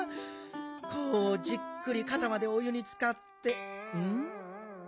こうじっくりかたまでお湯につかってん？